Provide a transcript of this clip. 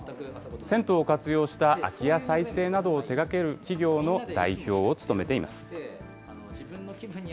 銭湯を活用した空き家再生などを手がける企業の代表を務めています。